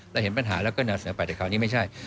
เห็นปัญหาแล้วก็นำเสนอไปแต่คราวนี้ไม่ใช่